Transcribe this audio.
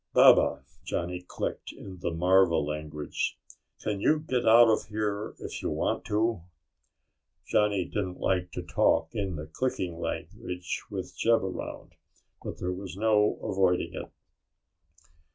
"Baba," Johnny clicked in the marva language, "can you get out of here, if you want to?" Johnny didn't like to talk in the clicking language with Jeb around, but there was no avoiding it.